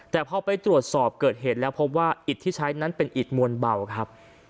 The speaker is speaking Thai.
แต่พอไปตรวจสอบเกิดเหตุแล้วพบว่าอิดที่ใช้นั้นเป็นอิดมวลเบาครับ